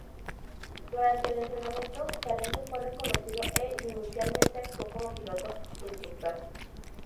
Durante el entrenamiento su talento fue reconocido e inicialmente actuó como piloto instructor.